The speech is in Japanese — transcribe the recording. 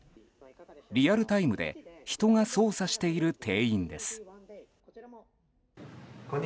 リアルタイムで人が操作している店員です。